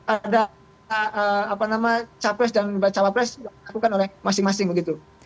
ada capres dan baca pres dilakukan oleh masing masing begitu